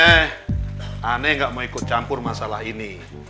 saya nggak mau ikut campur masalah ini